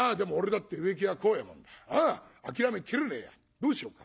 どうしようか。